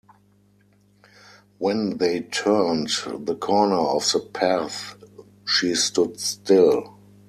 When they turned the corner of the path she stood still.